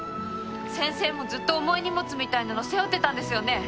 先生もずっと重い荷物みたいなの背負ってたんですよね？